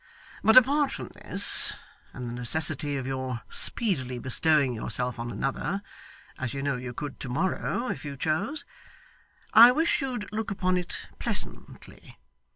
But apart from this, and the necessity of your speedily bestowing yourself on another (as you know you could to morrow, if you chose), I wish you'd look upon it pleasantly.